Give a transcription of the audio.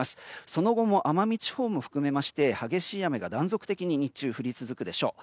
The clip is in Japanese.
その後も奄美地方も含めまして激しい雨が断続的に日中降り続くでしょう。